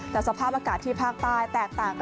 และสภาพอากาศที่ภาคใต้แตกต่างกันอย่างสิ้นเชิงของคุณผู้ชม